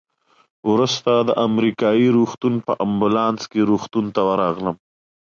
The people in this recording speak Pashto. وروسته د امریکایي روغتون په امبولانس کې روغتون ته ورغلم.